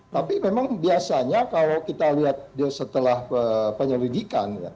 tapi memang biasanya kalau kita lihat setelah penyelidikan